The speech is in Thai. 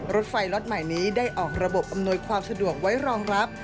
รถไฟล็อตใหม่นี้ได้ออกระบบอำนวยความสะดวกไว้รองรับ